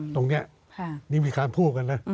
ตรงเนี้ยนี่มีคนพูดกันนะ